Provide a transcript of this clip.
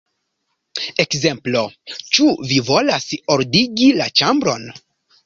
Ekzemplo: 'Ĉu vi volas ordigi la ĉambron?